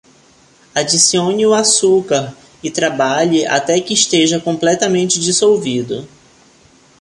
Adicione o açúcar e trabalhe até que esteja completamente dissolvido.